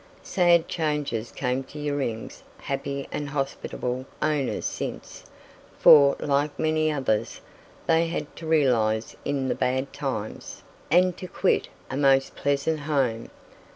Sad changes came to Yering's happy and hospitable owners since, for, like many others, they had to "realize" in the bad times, and to quit a most pleasant home.